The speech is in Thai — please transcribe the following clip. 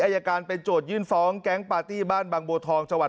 อายการเป็นโจทยื่นฟ้องแก๊งปาร์ตี้บ้านบางบัวทองจังหวัด